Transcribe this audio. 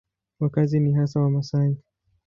Wakazi ni hasa Wamasai.